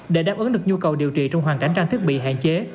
để đáp ứng được nhu cầu điều trị trong hoàn cảnh trang thiết bị hạn chế